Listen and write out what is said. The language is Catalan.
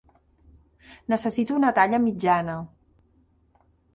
Necessito una talla mitjana.